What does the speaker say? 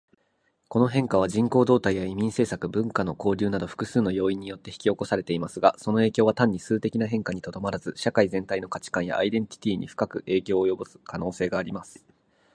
近年、多様性の重要性が強調される中で、白人がマイノリティ化するという現象が注目されています。この変化は、人口動態や移民政策、文化の交流など複数の要因によって引き起こされていますが、その影響は単に数的な変化にとどまらず、社会全体の価値観やアイデンティティに深く影響を及ぼす可能性があります。